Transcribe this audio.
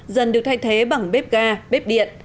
dần được thay thế bằng bếp ga bếp điện